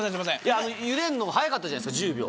ゆでるの早かったじゃないですか１０秒。